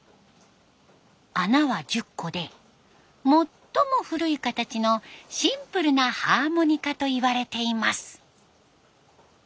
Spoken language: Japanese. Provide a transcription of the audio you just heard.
穴は１０個で最も古い形のシンプルなハーモニカといわれています。